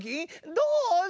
どうぞ。